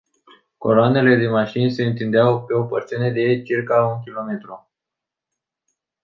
Coloanele de mașini se întindeau pe o porțiune de circa un kilometru.